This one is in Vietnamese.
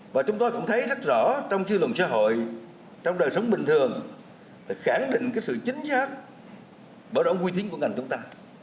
và chúng tôi cũng thấy rất rõ trong dư luận xã hội trong đời sống bình thường phải khẳng định sự chính xác bảo đảm quy tính của ngành chúng ta